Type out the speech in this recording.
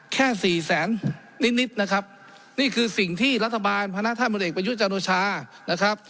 แค่๔๐๐๐๐๐นิดนะครับนี่คือสิ่งที่รัฐบาลพนธ์ท่านบริเวศจันทรชานะครับ